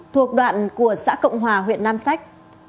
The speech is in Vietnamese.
thuộc đoạn của xã cộng hòa huyện nam sách